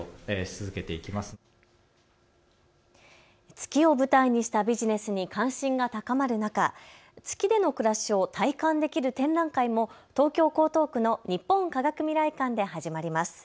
月を舞台にしたビジネスに関心が高まる中、月での暮らしを体感できる展覧会も東京江東区の日本科学未来館で始まります。